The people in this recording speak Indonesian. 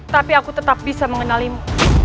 tapi aku tetap bisa mengenalimu